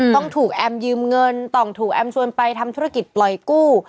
ต้องถูกแอมยืมเงินต้องถูกแอมชวนไปทำธุรกิจปล่อยกู้